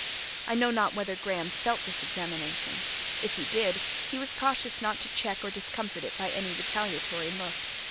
I know not whether Graham felt this examination: if he did, he was cautious not to check or discomfort it by any retaliatory look.